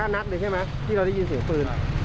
นัดเลยใช่ไหมที่เราได้ยินเสียงปืน